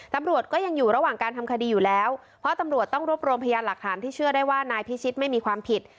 ตำรวจก็ยังอยู่ระหว่างการทำคดีอยู่แล้วเพราะตำรวจต้องรวบรวมพยานหลักฐานที่เชื่อได้ว่านายพิชิตไม่มีความผิด